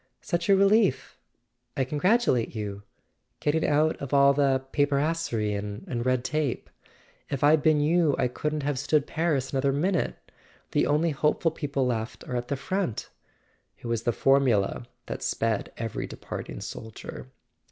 "Such a relief ... I congratulate you ... getting out of all this paperasserie and red tape. .. If I'd been you I couldn't have stood Paris another min¬ ute. .. The only hopeful people left are at the front. .." It was the formula that sped every departing soldier.